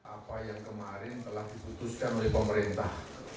apa yang kemarin telah diputuskan oleh pemerintah